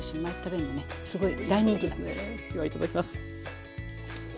ではいただきます。